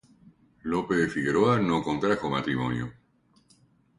Lope de Figueroa no contrajo matrimonio.